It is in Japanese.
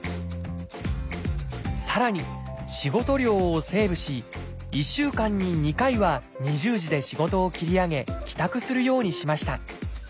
さらに仕事量をセーブし１週間に２回は２０時で仕事を切り上げ帰宅するようにしました。